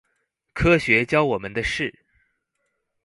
科學教我們的事